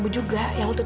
pasti inget gantungan ini